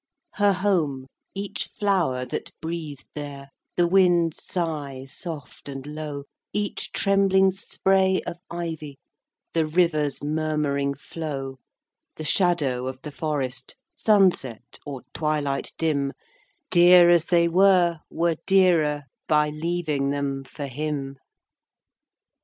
VII. Her home; each flower that breathed there; The wind's sigh, soft and low; Each trembling spray of ivy; The river's murmuring flow; The shadow of the forest; Sunset, or twilight dim; Dear as they were, were dearer By leaving them for him.